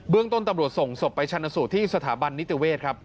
เบื้องต้นตำรวจส่งศพไปชันสุทธิ์ที่สถาบันนิติเวศครับ